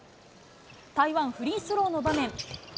台湾、フリースローの場面。